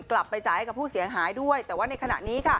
กลับไปจ่ายให้กับผู้เสียหายด้วยแต่ว่าในขณะนี้